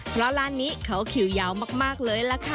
เพราะร้านนี้เขาคิวยาวมากเลยล่ะค่ะ